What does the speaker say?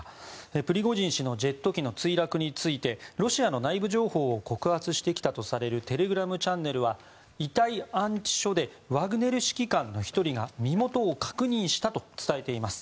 プリゴジン氏のジェット機の墜落についてロシアの内部情報を告発してきたとされるテレグラムチャンネルは遺体安置所でワグネル指揮官の１人が身元を確認したと伝えています。